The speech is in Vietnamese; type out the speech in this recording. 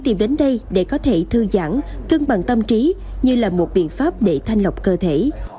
tìm đến đây để có thể thư giãn cân bằng tâm trí như là một biện pháp để thanh lọc cơ thể